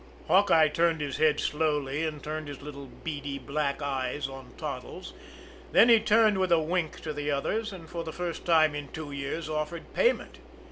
Hawkeye turned his head slowly and turned his little beady, black eyes on Toddles, then he turned with a wink to the others, and for the first time in two years offered payment.